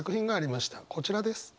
こちらです。